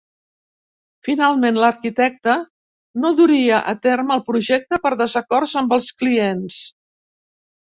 Finalment l'arquitecte no duria a terme el projecte per desacords amb els clients.